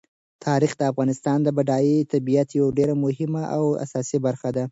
تاریخ د افغانستان د بډایه طبیعت یوه ډېره مهمه او اساسي برخه ده.